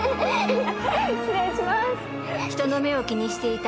失礼します。